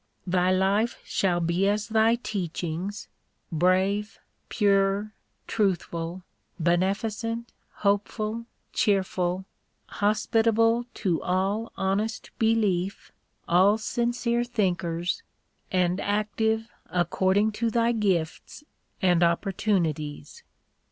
Thy life shall be as thy teachings, brave, pure, truthful, beneficent, hopeful, cheerful, hospitable to all honest belief, all sincere thinkers, and active according to thy gifts and oppor tunities.